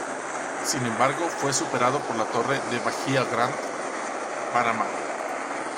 Sin embargo fue superado por la torre The Bahia Grand Panama.